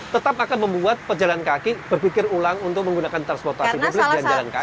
tetap akan membuat pejalan kaki berpikir ulang untuk menggunakan transportasi publik dan jalan kaki